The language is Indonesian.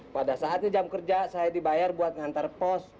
pada saatnya jam kerja saya dibayar untuk menghantar pos